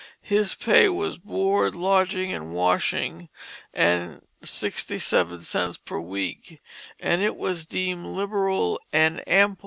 His pay was his board, lodging, and washing, and sixty seven cents per week, and it was deemed liberal and ample.